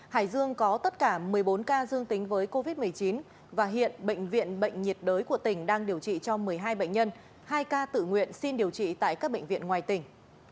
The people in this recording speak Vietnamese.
hải dương có tất cả một mươi bốn ca dương tính với covid một mươi chín và hiện bệnh viện bệnh nhiệt đới của tỉnh đang điều trị cho một mươi hai bệnh nhân hai ca tự nguyện xin điều trị tại các bệnh viện ngoài tỉnh